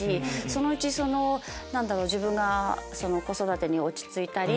そのうち自分が子育てに落ち着いたり。